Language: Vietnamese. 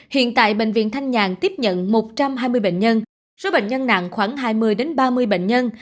hiện tại bệnh viện thanh nhàn tiếp nhận một trăm hai mươi bệnh nhân số bệnh nhân nặng khoảng hai mươi ba mươi bệnh nhân